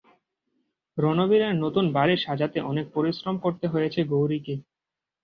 রণবীরের নতুন বাড়ি সাজাতে অনেক পরিশ্রম করতে হয়েছে গৌরীকে।